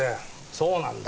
そうなんだ